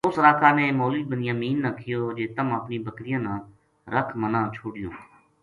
اُس راکھا نے مولوی بنیامین نا کہیو جے تم اپنی بکریاں نا رکھ ما نہ چھوڈیو ں